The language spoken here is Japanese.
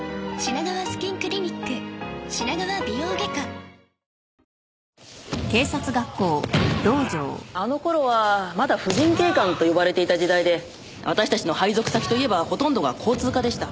そのやさしさをマスクにもあの頃はまだ婦人警官と呼ばれていた時代で私たちの配属先といえばほとんどが交通課でした。